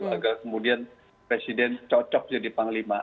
agar kemudian presiden cocok jadi panglima